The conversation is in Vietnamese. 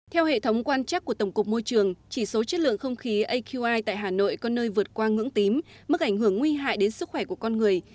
theo hệ thống quan chắc của tổng cục môi trường chỉ số chất lượng không khí aqi tại hà nội có nơi vượt qua ngưỡng tím mức ảnh hưởng nguy hại đến sức khỏe của con người